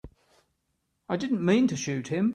I didn't mean to shoot him.